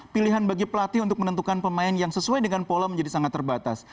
pilihan bagi pelatih untuk menentukan pemain yang sesuai dengan pola menjadi sangat terbatas